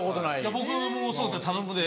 僕もそうですね「頼むで」。